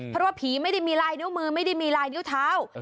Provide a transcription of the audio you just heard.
เพราะว่าผีไม่ได้มีลายนิ้วมือไม่ได้มีลายนิ้วเท้า